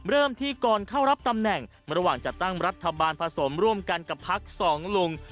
เริ่มที่ก่อนเข้ารับตำแหน่งระหว่างจัดตั้งรัฐบาลผสมร่วมกันกับพักสองลุง